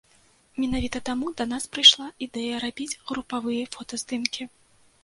Менавіта таму да нас прыйшла ідэя рабіць групавыя фотаздымкі.